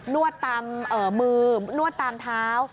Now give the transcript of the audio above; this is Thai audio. วดตามมือนวดตามเท้า